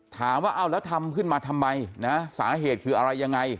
ถามว่าเอาแล้วทำขึ้นมาทำไมนะสาเหตุคืออะไรยังไง